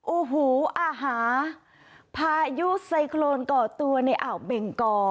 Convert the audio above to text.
อู้หูอ่าฮะพายุไซโครนก่อตัวในอาบแบงกอ